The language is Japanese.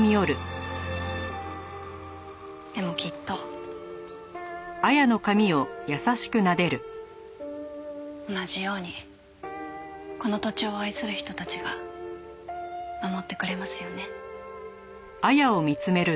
でもきっと同じようにこの土地を愛する人たちが守ってくれますよね？